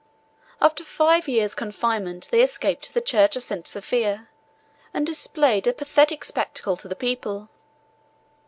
After five years' confinement, they escaped to the church of St. Sophia, and displayed a pathetic spectacle to the people.